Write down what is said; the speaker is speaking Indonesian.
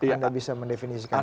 anda bisa mendefinisikan itu